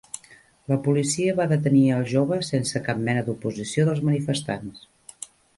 La policia va detenir al jove sense cap mena d'oposició dels manifestants